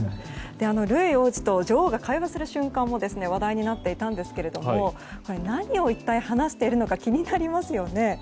ルイ王子と女王が会話する瞬間も話題になっていたんですが何を一体話しているのか気になりますよね。